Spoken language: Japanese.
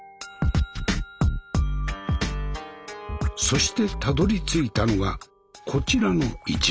そしてたどりついたのがこちらの一枚。